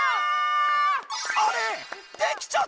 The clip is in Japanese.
あれ⁉